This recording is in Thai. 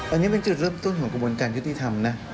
อันนี้เป็นจุดเริ่มต้นของกระบวนการยุติธรรมนะ